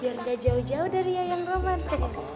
biar gak jauh jauh dari yang romantik